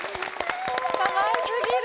かわいすぎる！